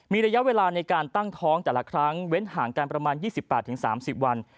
มีระยะเวลาในการตั้งท้องแต่ละครั้งเว้นห่างกันประมาณ๒๘๓๐วัน